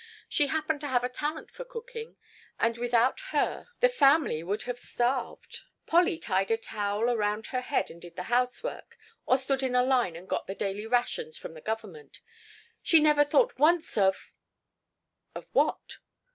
She happened to have a talent for cooking, and without her the family would have starved. Polly tied a towel round her head and did the housework, or stood in a line and got the daily rations from the Government. She never thought once of " "Of what?"